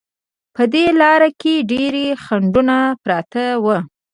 په دې لاره کې ډېر خنډونه پراته وو.